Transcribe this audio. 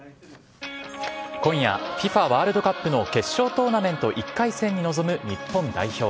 今夜、ＦＩＦＡワールドカップの決勝トーナメント１回戦に臨む日本代表。